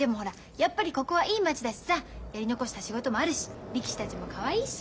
やっぱりここはいい町だしさやり残した仕事もあるし力士たちもかわいいし。